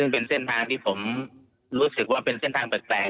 เป็นเส้นทางที่ผมรู้สึกว่าเป็นเส้นทางแปลก